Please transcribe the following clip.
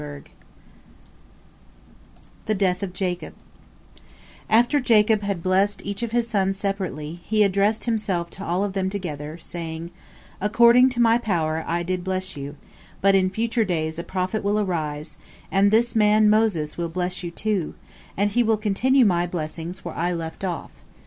THE DEATH OF JACOB After Jacob had blessed each of his sons separately, he addressed himself to all of them together, saying: "According to my power did I bless you, but in future days a prophet will arise, and this man Moses will bless you, too, and he will continue my blessings where I left off."